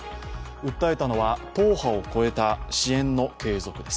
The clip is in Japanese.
訴えたのは党派を超えた支援の継続です。